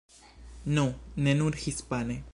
Nu ne nur hispane.